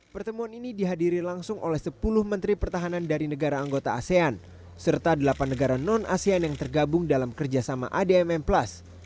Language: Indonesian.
pertemuan ini dihadiri langsung oleh sepuluh menteri pertahanan dari negara anggota asean serta delapan negara non asean yang tergabung dalam kerjasama admm plus